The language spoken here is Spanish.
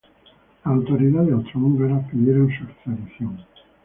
Las autoridades austrohúngaras pidieron su extradición.